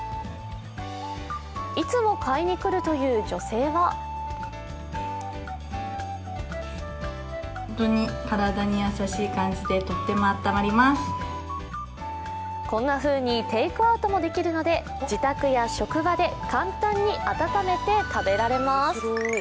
いつも買いにくるという女性はこんなふうにテークアウトもできるので自宅や職場で簡単に温めて食べられます。